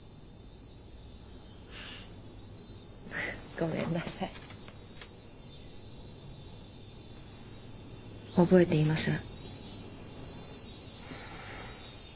ごめんなさい覚えていません